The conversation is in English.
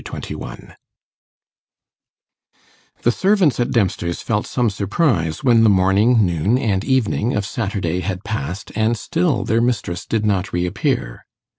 Chapter 21 The servants at Dempster's felt some surprise when the morning, noon, and evening of Saturday had passed, and still their mistress did not reappear.